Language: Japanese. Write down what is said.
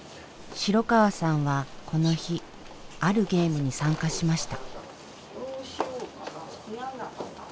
城川さんはこの日あるゲームに参加しました。